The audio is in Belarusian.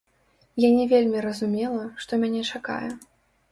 Я не вельмі разумела, што мяне чакае.